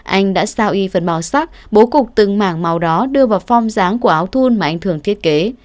anh đã sao y phần màu sắc bố cục từng mảng màu đó đưa vào phong ráng của áo thun mà anh thường thiết kế